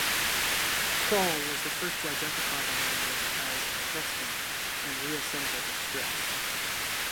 Krall was the first to identify the language as Etruscan and reassemble the strips.